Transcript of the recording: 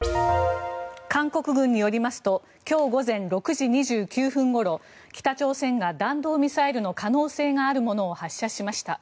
韓国軍によりますと今日午前６時２９分ごろ北朝鮮が弾道ミサイルの可能性があるものを発射しました。